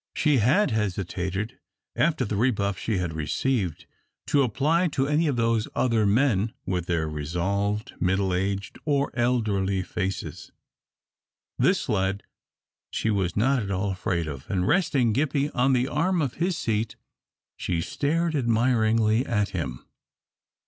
She had hesitated, after the rebuff she had received, to apply to any of those other men with their resolved, middle aged or elderly faces. This lad she was not at all afraid of, and resting Gippie on the arm of his seat, she stared admiringly at him.